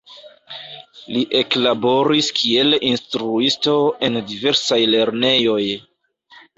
Li eklaboris kiel instruisto en diversaj lernejoj.